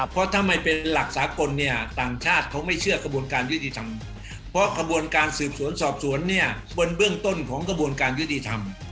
เพราะถ้าไม่เป็นหลักสากลเนี่ยต่างชาติเขาไม่เชื่อกระบวนการยุติธรรมเพราะกระบวนการสืบสวนสอบสวนเนี่ยบนเบื้องต้นของกระบวนการยุติธรรม